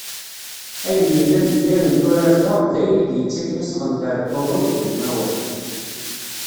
Ayen yellan deffir n turart-a, d ayen i d-yettakken asɣenter n wawal d umawal.